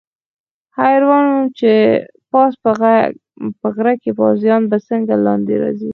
حیران وم چې پاس په غره کې پوځیان به څنګه لاندې راځي.